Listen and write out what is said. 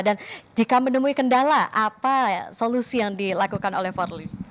dan jika menemui kendala apa solusi yang dilakukan oleh polri